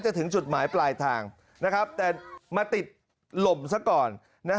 ถึงจุดหมายปลายทางแต่มาติดลมซะก่อน